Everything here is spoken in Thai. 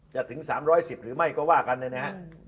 ถึง๓๑๐หรือไม่ก็ว่ากันนะฮะ